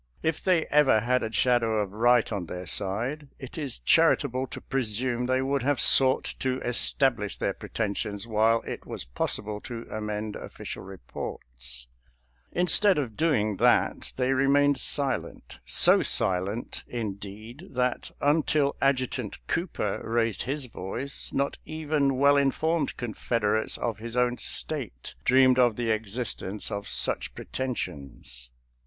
If they ever 296 SOLDIER'S LETTERS TO CHARMING NELLIE had a shadow of right on their side, it is charit able to presume they would have sought to es tablish their pretensions while it was possible to amend official reports. Instead of doing that they remained silent — so silent, indeed, that un til Adjutant Cooper raised his voice not even well informed Confederates of his own State dreamed of the existence of such pretensions.